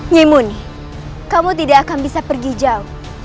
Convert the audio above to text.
nyemuni kamu tidak akan bisa pergi jauh